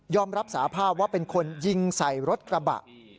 รับสาภาพว่าเป็นคนยิงใส่รถกระบะ